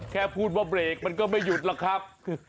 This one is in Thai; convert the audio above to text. แค่พูดว่าเบรกมันก็ไม่หยุดหรอกครับ